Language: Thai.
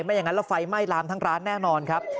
อย่างนั้นแล้วไฟไหม้ลามทั้งร้านแน่นอนครับ